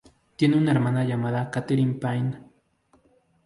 Tiene una hermana llamada Katherine Pine.